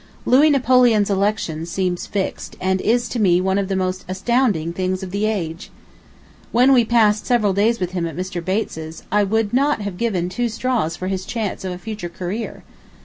... Louis Napoleon's election seems fixed, and is to me one of the most astounding things of the age. When we passed several days with him at Mr. Bates's, I would not have given two straws for his chance of a future career.